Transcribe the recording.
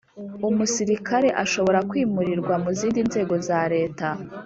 Umusirikare ashobora kwimurirwa mu zindi nzego za leta